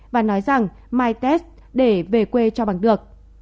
và nói rằng mytest để về quê cho bằng được